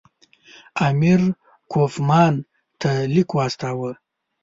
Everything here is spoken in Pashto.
امیر کوفمان ته لیک واستاوه.